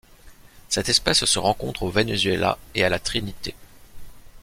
Cette espèce se rencontre au Venezuela et à la Trinité.